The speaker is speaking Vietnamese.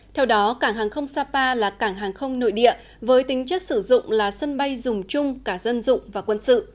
theo đó cảng hàng không sapa là cảng hàng không nội địa với tính chất sử dụng là sân bay dùng chung cả dân dụng và quân sự